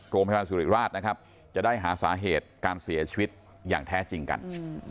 โรงพยาบาลสุริราชนะครับจะได้หาสาเหตุการเสียชีวิตอย่างแท้จริงกัน